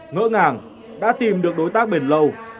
ngỡ ngàng đã tìm được đối tác bền lâu